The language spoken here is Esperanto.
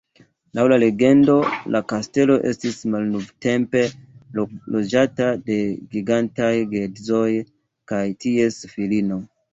Laŭ la legendo, la kastelo estis malnovtempe loĝata de gigantaj geedzoj kaj ties filino.